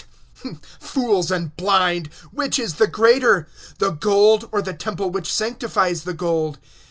(17)Fools and blind; for which is greater, the gold, or the temple that sanctifies the gold?